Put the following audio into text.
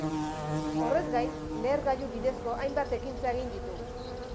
Horrez gain, lehergailu bidezko hainbat ekintza egin ditu.